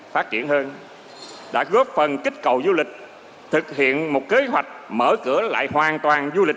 phát triển hơn đã góp phần kích cầu du lịch thực hiện một kế hoạch mở cửa lại hoàn toàn du lịch